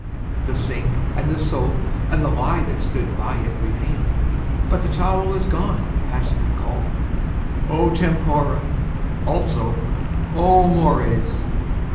The sink and the soap and the lye that stood by it Remain; but the towel is gone past recall. O tempora! Also, O mores!